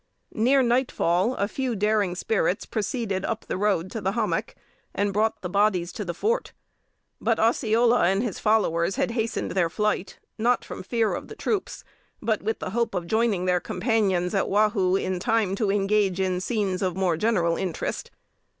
Near nightfall, a few daring spirits proceeded up the road to the hommock, and brought the bodies to the fort; but Osceola and his followers had hastened their flight, not from fear of the troops, but with the hope of joining their companions at Wahoo in time to engage in scenes of more general interest.